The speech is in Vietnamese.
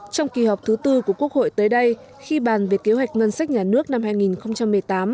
trong kỳ họp thứ tư của quốc hội tới đây khi bàn về kế hoạch ngân sách nhà nước năm hai nghìn một mươi tám